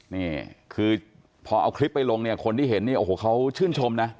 นี่คือพอเอาคลิปไปลงเนี่ยคนที่เห็นเนี่ยโอ้โหเขาชื่นชมนะ